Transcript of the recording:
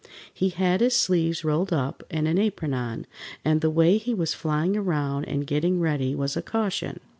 He had his sleeves rolled up and an apron on, and the way he was flying around and getting ready was a caution.